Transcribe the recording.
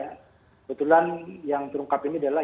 kebetulan yang terungkap ini adalah